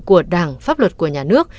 của đảng pháp luật của nhà nước